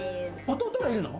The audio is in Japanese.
弟がいるの？